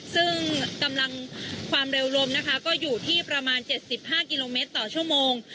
ซึ่งกำลังความเร็วลมนะคะก็อยู่ที่ประมาณ๗๕กิโลเมตรต่อชั่วโมง